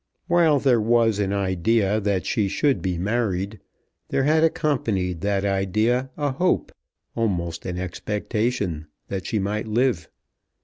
While there was an idea that she should be married, there had accompanied that idea a hope, almost an expectation, that she might live.